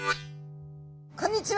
こんにちは！